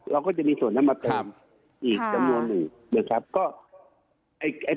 เราก็จะมีส่วนน้ำงบเติม